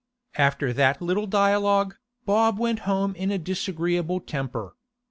After that little dialogue, Bob went home in a disagreeable temper.